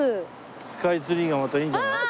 スカイツリーがまたいいんじゃない？